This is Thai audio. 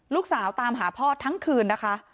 ลูกสาวตามหาพ่อทั้งคืนนะคะ